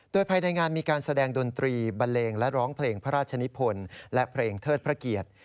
โดยภายในงานมีการแสดงดนตรีบันเลงและร้องเพลงพระราชนิพลและเพลงเทิดพระเกียรติ